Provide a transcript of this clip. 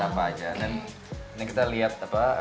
ya awal awal enggak setah apa aja